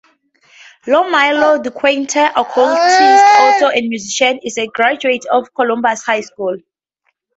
Lon Milo DuQuette, occultist author and musician, is a graduate of Columbus High School.